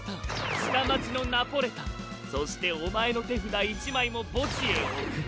下町のナポレたんそしてお前の手札１枚も墓地へ送る。